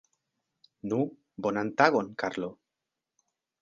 Nu, bonan tagon, Karlo!